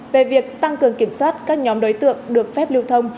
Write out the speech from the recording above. về việc tăng cường kiểm soát các nhóm đối tượng được phép lưu thông